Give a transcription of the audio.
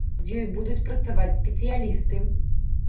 З ёй будуць працаваць спецыялісты.